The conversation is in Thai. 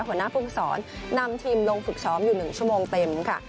หัวหน้าภูมิสอนนำทีมลงฝึกซ้อมอยู่๑ชั่วโมงเต็มค่ะ